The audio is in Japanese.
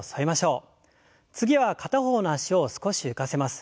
次は片方の脚を少し浮かせます。